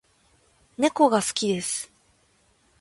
猫が好きです